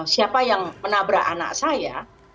siapa yang menabrak anak saya